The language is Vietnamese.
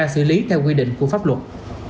xử lý theo quy định của pháp luật